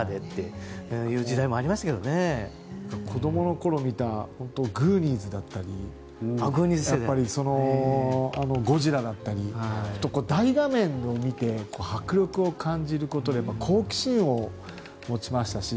子供のころに見た「グーニーズ」だったり「ゴジラ」だったり大画面で見て迫力を感じることで好奇心を持ちましたし。